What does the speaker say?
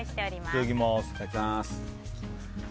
いただきます。